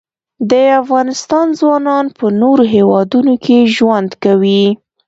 د افغانستان ځوانان په نورو هیوادونو کې ژوند کوي.